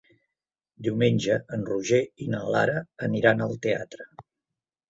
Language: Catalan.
Diumenge en Roger i na Lara aniran al teatre.